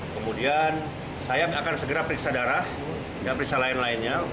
kemudian saya akan segera periksa darah dan periksa lain lainnya